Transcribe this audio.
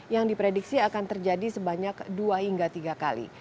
yang diprediksi akan terjadi sebanyak dua hingga tiga kali